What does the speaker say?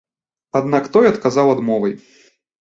Аднак той адказаў адмовай.